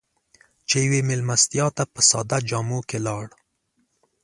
چې يوې مېلمستیا ته په ساده جامو کې لاړ.